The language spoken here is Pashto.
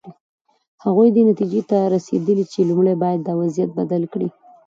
هغوی دې نتیجې ته رسېدلي چې لومړی باید دا وضعیت بدل کړي.